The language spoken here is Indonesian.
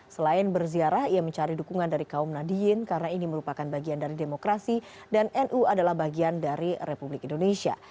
selain berziarah ia mencari dukungan dari kaum nadiyin karena ini merupakan bagian dari demokrasi dan nu adalah bagian dari republik indonesia